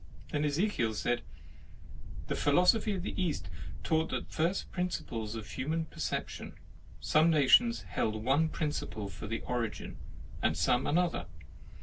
Then Ezekiel said :" The philosophy of the East taught the first principles of human perception; some nations held one principle for the origin, and some another.